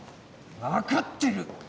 わかってる。